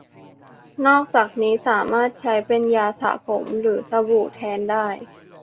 นอกจากนี้สามารถใช้เป็นยาสระผมหรือสบู่แทนได้